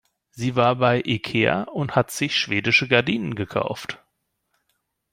Sie war bei Ikea und hat sich schwedische Gardinen gekauft.